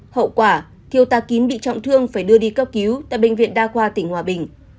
hậu quả thiêu tá kín bị trọng thương phải đưa đi cấp cứu tại bệnh viện đa khoa tỉnh hòa bình